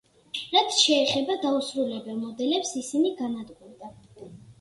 რაც შეეხება დაუსრულებელ მოდელებს ისინი განადგურდა.